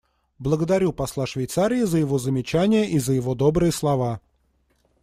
Благодарю посла Швейцарии за его замечания и за его добрые слова.